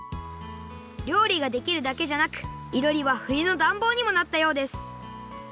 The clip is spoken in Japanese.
料理ができるだけじゃなくいろりはふゆのだんぼうにもなったようです